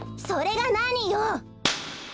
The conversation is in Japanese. それがなによ！